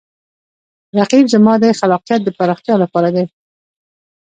رقیب زما د خلاقیت د پراختیا لپاره دی